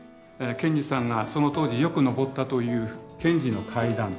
賢治さんがその当時よく上ったという「賢治の階段」。